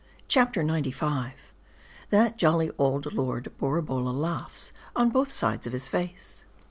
CHAPTER XCV. THAT JOLLY OLD LORD BORABOLLA LAUGHS ON BOTH SIDES OF HIS FACE.